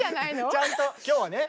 ちゃんと今日はね